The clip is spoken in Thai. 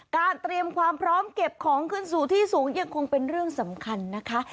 เตรียมความพร้อมเก็บของขึ้นสู่ที่สูงยังคงเป็นเรื่องสำคัญนะคะ